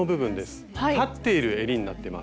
立っているえりになってます。